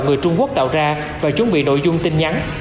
người trung quốc tạo ra và chuẩn bị nội dung tin nhắn